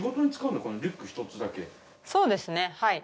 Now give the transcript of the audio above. そうですねはい。